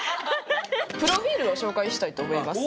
プロフィールを紹介したいと思います。